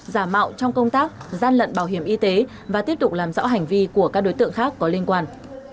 giả mạo trong công tác gian lận bảo hiểm y tế và tiếp tục làm rõ hành vi của các đối tượng khác có liên quan